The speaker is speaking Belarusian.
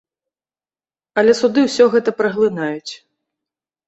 Але суды ўсё гэта праглынаюць.